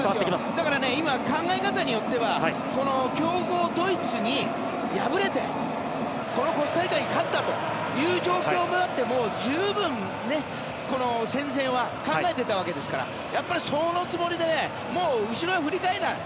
だから今考え方によってはこの強豪ドイツに敗れてこのコスタリカに勝ったという状況になっても十分、戦前は考えていたわけですからやっぱりそのつもりでもう後ろは振り返らない。